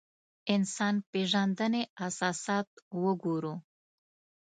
انسان پېژندنې اساسات وګورو.